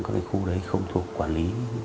các khu đấy không thuộc quản lý